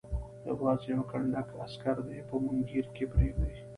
یوازې یو کنډک عسکر دې په مونګیر کې پرېږدي.